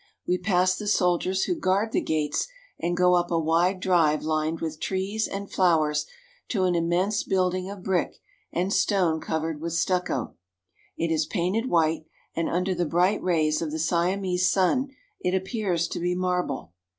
We pass the soldiers who guard the gates, and go up a wide drive lined with trees and flowers to an immense building of brick and stone covered with stucco. It is painted white, and under the bright rays of the Siamese sun it appears to be marble.